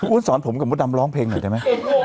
สอนผมกับมดดำร้องเพลงหน่อยได้ไหม